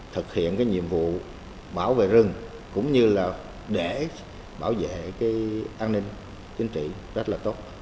thực hiện cái nhiệm vụ bảo vệ rừng cũng như là để bảo vệ cái an ninh chính trị rất là tốt